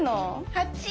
８。